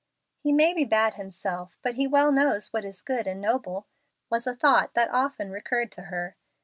"He may be bad himself, but he well knows what is good and noble," was a thought that often recurred to her.